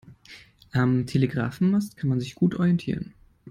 Am Telegrafenmast kann man sich gut orientieren.